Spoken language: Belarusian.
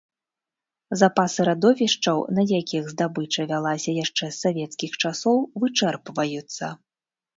Запасы радовішчаў, на якіх здабыча вялася яшчэ з савецкіх часоў, вычэрпваюцца.